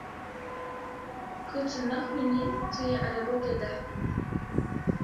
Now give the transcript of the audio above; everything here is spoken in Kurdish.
Ku tu nexwînî tu yê erebokê dehfînî.